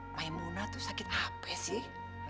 maimuna tuh sakit apa sih